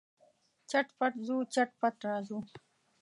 چټ پټ ځو، چټ پټ راځو.